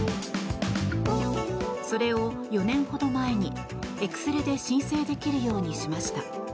それを４年ほど前にエクセルで申請できるようにしました。